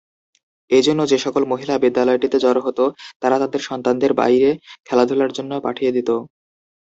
এই জন্যে যেসকল মহিলা বিদ্যালয়টিতে জড়ো হত তারা তাদের সন্তানদের বাইরে খেলাধুলার জন্য পাঠিয়ে দিত।